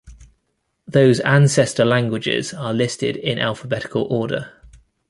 Those ancestor languages are listed in alphabetical order.